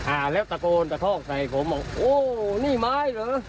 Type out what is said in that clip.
อ่าแล้วตะโกนตะคอกใส่ผมบอกโอ้นี่ไม้เหรอ